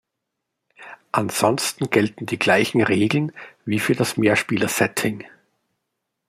Ansonsten gelten die gleichen Regeln wie für das Mehrspieler-Setting.